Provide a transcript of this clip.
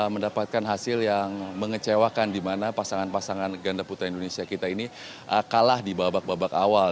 mendapatkan hasil yang mengecewakan di mana pasangan pasangan ganda putra indonesia kita ini kalah di babak babak awal